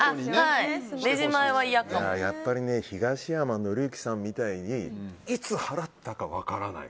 やっぱり東山紀之さんみたいにいつ払ったか分からない